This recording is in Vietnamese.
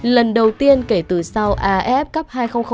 lần đầu tiên kể từ sau af cup